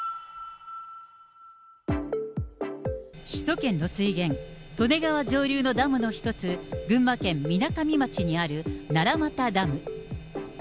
首都圏の水源、利根川上流のダムの一つ、群馬県みなかみ町にある奈良俣ダム。